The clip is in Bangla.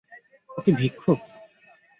ও কি ভিক্ষুক?